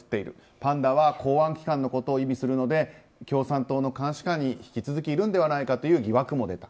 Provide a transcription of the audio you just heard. パンダは公安機関のことを意味するので共産党の監視下に引き続きいるのではないかという疑惑も出た。